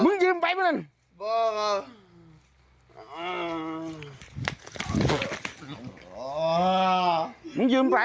เนี่ยมไป